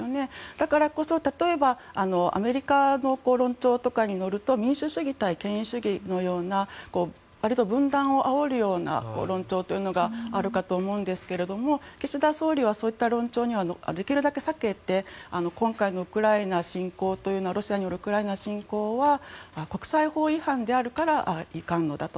だからこそ、例えばアメリカの論調に乗ると民主主義対権威主義のような割と分断をあおるような論調というのがあるかと思うんですが岸田総理はそうした論調はできるだけ避けて今回のウクライナ侵攻はロシアによるウクライナ侵攻は国際法違反であるからいかんのだと。